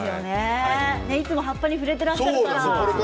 いつも葉っぱに触れていらっしゃるから。